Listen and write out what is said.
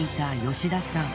吉田さんは。